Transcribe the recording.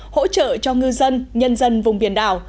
hỗ trợ cho ngư dân nhân dân vùng biển đảo